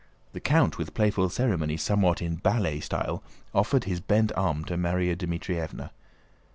The count, with playful ceremony somewhat in ballet style, offered his bent arm to Márya Dmítrievna.